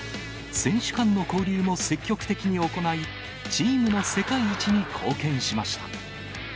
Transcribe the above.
選手間の交流も積極的に行い、チームの世界一に貢献しました。